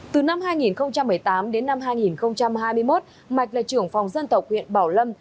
từ năm hai nghìn một mươi tám đến năm hai nghìn hai mươi một mạch là trưởng phòng dân tộc huyện bảo lâm